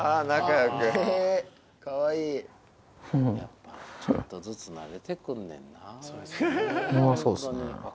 やっぱちょっとずつなれて来んねんな。